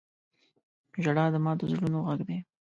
• ژړا د ماتو زړونو غږ دی.